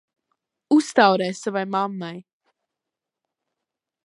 Uztaurē savai mammai!